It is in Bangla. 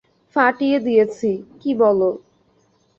ফাটিয়ে দিয়েছি, কী বলো?